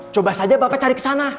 coba saja bapak cari ke sana